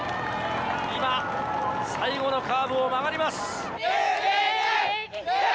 今、最後のカーブを曲がります。